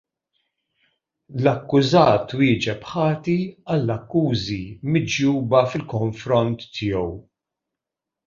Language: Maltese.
L-akkużat wieġeb ħati għall-akkużi miġjuba fil-konfront tiegħu.